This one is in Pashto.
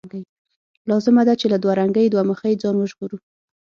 لازمه ده چې له دوه رنګۍ، دوه مخۍ ځان وژغورو.